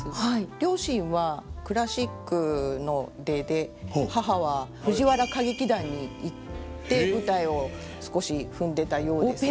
両親はクラシックの出で母は藤原歌劇団に行って舞台を少し踏んでたようです。